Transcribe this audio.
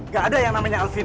gak ada yang namanya alvin